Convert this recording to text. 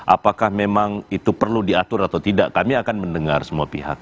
apakah memang itu perlu diatur atau tidak kami akan mendengar semua pihak